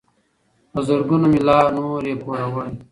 په زرګونو مي لا نور یې پوروړی